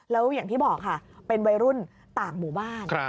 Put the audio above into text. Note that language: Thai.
แล้วอย่างที่บอกค่ะเป็นวัยรุ่นต่างหมู่บ้าน